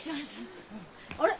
あれ？